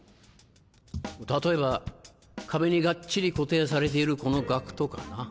例えば壁にガッチリ固定されているこの額とかな。